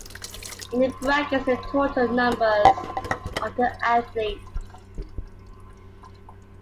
In the brackets are the total numbers of the athletes.